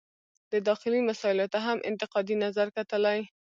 د داخلي مسایلو ته هم انتقادي نظر کتلي.